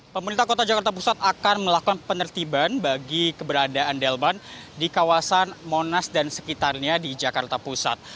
pemerintah kota jakarta pusat akan melakukan penertiban bagi keberadaan delman di kawasan monas dan sekitarnya di jakarta pusat